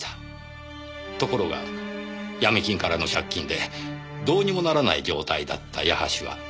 ところが闇金からの借金でどうにもならない状態だった矢橋は。